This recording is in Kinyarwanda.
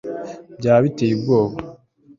byaba biteye ubwoba